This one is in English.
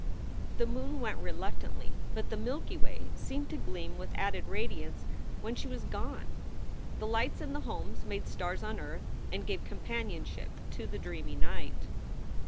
The moon went reluctantly, but the Milky Way seemed to gleam with added radiance when she was gone. The lights in the homes made stars on earth and gave companionship to the dreamy night.